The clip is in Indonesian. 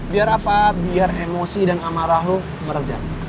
biar apa biar emosi dan amarah lo meredah